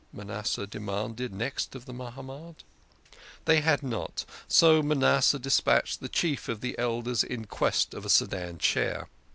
Manasseh demanded next of the Mahamad. They had not, so Manasseh despatched the Chief of the Elders in quest of a sedan chair.